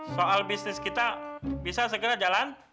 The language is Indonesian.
soal bisnis kita bisa segera jalan